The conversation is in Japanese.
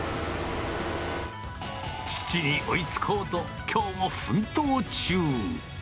父に追いつこうと、きょうも奮闘中。